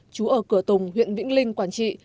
trú ở cửa tùng huyện vĩnh linh quản trị